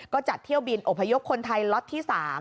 ก็จัดเที่ยวบินอพยพคนไทยล็อตที่๓